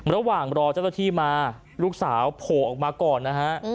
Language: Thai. ระหว่างรอเจ้าหน้าที่มาลูกสาวโผล่ออกมาก่อนนะฮะ